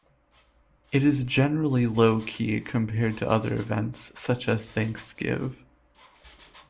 It is generally low-key compared to other events, such as Thanks-Give.